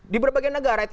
di berbagai negara itu